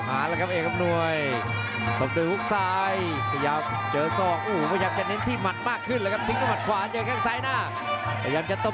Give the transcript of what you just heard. อันนี้แผลจะเปิดมากขึ้นหรือเปล่าครับ